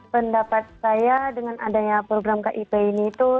pendapat saya dengan adanya program kip ini itu